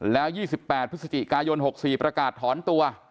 แล้ว๒๘พฤศจิกายน๖๔ประกาศถอนตัว